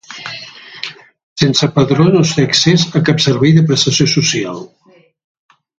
Sense padró no es té accés a cap servei de prestació social.